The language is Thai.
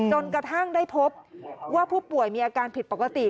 จนกระทั่งได้พบว่าผู้ป่วยมีอาการผิดปกติ